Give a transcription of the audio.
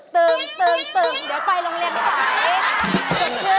เดี๋ยวไปโรงเรียนสาย